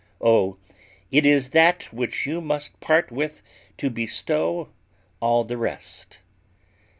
Oh, it is that which you must part with to bestow all the rest!